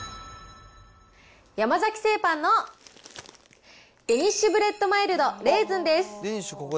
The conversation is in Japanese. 山崎製パンのデニッシュブレッドマイルド・レーズンです。